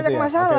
ada banyak masalah